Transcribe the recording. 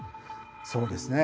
そうですね